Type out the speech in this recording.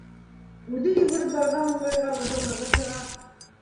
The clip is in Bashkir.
Үҙе йүгереп барған ыңғайға лыбырлығы сыға: